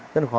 rất là khó